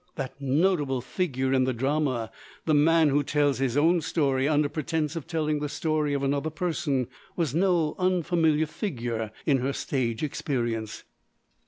That notable figure in the drama the man who tells his own story, under pretence of telling the story of another person was no unfamiliar figure in her stage experience.